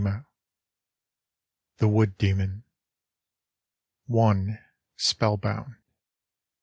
THE WOOD DEMON. I. SPELLBOUND.